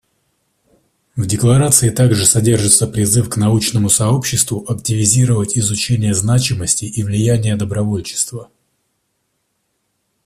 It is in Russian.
В декларации также содержится призыв к научному сообществу активизировать изучение значимости и влияния добровольчества.